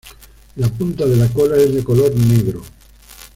La punta de la cola es de color negro.